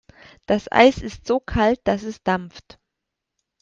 Das Eis ist so kalt, dass es dampft.